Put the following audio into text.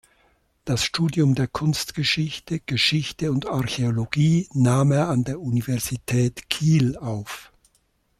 Das Studium der Kunstgeschichte, Geschichte und Archäologie nahm er an der Universität Kiel auf.